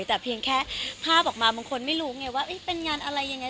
แต่เพียงแค่ภาพออกมาบางคนไม่รู้ไงว่าเป็นงานอะไรยังไง